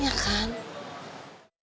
ntar kita ke tempat yang lebih baik